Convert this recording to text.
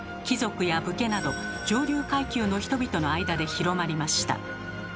貴族や武家など上流階級の人々の間で広まりました。